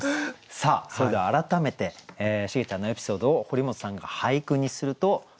さあそれでは改めてシゲちゃんのエピソードを堀本さんが俳句にするとどうなるんでしょうか。